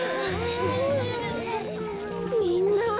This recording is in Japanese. みんな。